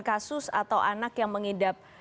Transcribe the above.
kasus atau anak yang mengidap